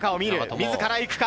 自ら行くか。